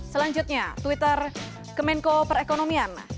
selanjutnya twitter kemenko perekonomian